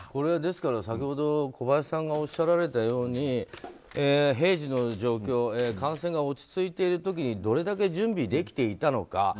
ですから先ほど小林さんがおっしゃられたように平時の状況感染が落ち着いている時にどれだけ準備できていたのか。